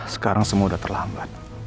sekarang semua udah terlambat